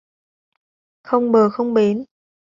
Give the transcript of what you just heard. Không bờ không bến